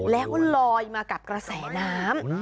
แล้วลอยมากับกระแสน้ำ